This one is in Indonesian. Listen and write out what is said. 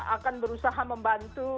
akan berusaha membantu